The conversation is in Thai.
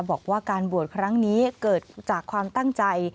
บอกว่าการบวชครั้งนี้เกิดจากความตั้งใจ